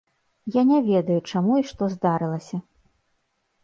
Я не ведаю, чаму і што здарылася.